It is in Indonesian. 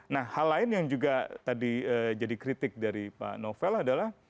nah hal lain yang juga tadi jadi kritik dari pak novel adalah